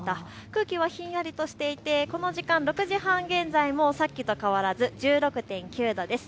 空気はひんやりとしていてこの時間、６時半現在もさっきと変わらず１６．９度です。